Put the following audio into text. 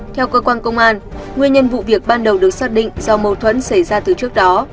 theo cơ quan công an nguyên nhân vụ việc ban đầu được xác định do mâu thuẫn xảy ra từ trước đó